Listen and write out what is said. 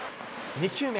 ２球目。